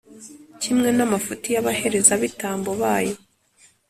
kimwe n’amafuti y’abaherezabitambo bayo;